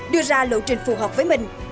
đưa ra lộ trình phù hợp với mình